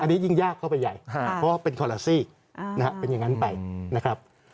อันนี้ยิ่งยากเข้าไปใหญ่ครับเพราะเป็นนะฮะเป็นอย่างงั้นไปนะครับ